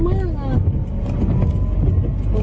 มาดูว่าจังหวัดอ่ะมีคนเชื่อแล้ว